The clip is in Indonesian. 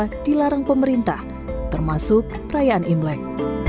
terdapat kekuatan dari pemerintah termasuk perayaan imlek